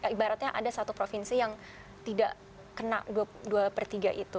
ibaratnya ada satu provinsi yang tidak kena dua per tiga itu